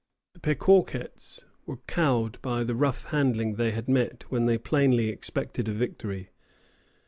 The Pequawkets were cowed by the rough handling they had met when they plainly expected a victory.